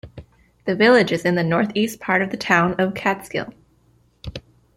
The village is in the northeast part of the town of Catskill.